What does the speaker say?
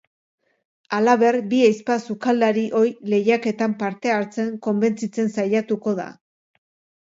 Halaber, bi ahizpa sukaldari ohi lehiaketan parte hartzen konbentzitzen saiatuko da.